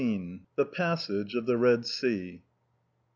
THE PASSAGE OF THE RED SEA.